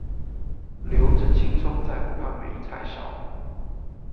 留著青蔥在，不怕沒菜燒